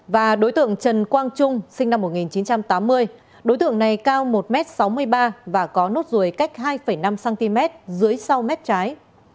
và đối tượng trần quang trung sinh năm một nghìn chín trăm tám mươi đối tượng này cao một m sáu mươi ba và có nốt ruồi cách hai năm cm dưới sau mép trái